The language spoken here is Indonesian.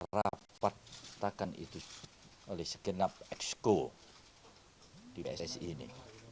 rapatakan itu oleh sekianap exco di pssi ini